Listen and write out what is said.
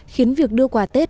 khiến việc đưa quà tết